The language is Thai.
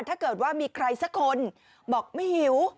ถ้าเกิดว่ามีใครสักคนบอกไม่หิว